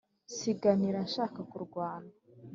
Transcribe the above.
singanira nshaka kurwana.